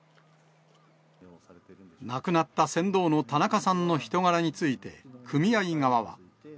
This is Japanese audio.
亡くなった船頭の田中さんの人柄について、組合側は。